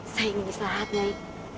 saya ingin diselamat nyai